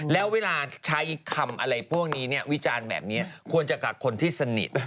แล้วเวลาใช้คำอะไรพวกนี้เนี่ยพี่จานแบบนี้ควรจะกัดคนที่สนิท